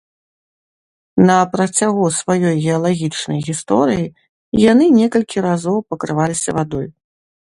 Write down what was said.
На працягу сваёй геалагічнай гісторыі яны некалькі разоў пакрываліся вадой.